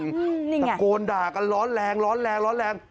ตะโกนดากันร้อนแรงร้อนแรง